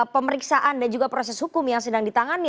pemeriksaan dan juga proses hukum yang sedang ditangani